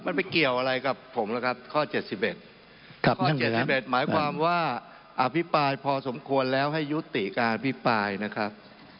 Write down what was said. มันไม่เกี่ยวอะไรกับผมแล้วครับข้อเจ็ดสิบเอ็ดครับข้อเจ็ดสิบเอ็ดหมายความว่าอภิปายพอสมควรแล้วให้ยุติการอภิปายนะครับ